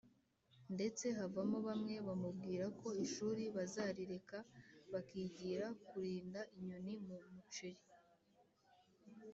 ndetse havamo bamwe bamubwira ko ishuri bazarireka bakigira kurinda inyoni mu muceri